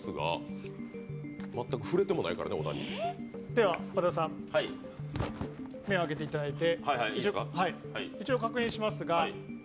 では小田さん、目を開けていただいて。